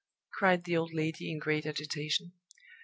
cried the old lady, in great agitation.